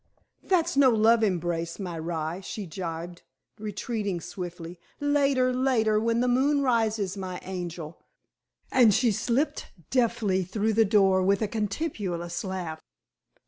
"That's no love embrace, my rye," she jibed, retreating swiftly. "Later, later, when the moon rises, my angel," and she slipped deftly through the door with a contemptuous laugh.